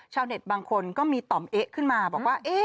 ชาวเน็ตบางคนก็มีต่อมเอ๊ะขึ้นมาบอกว่า